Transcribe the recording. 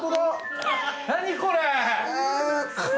何これ。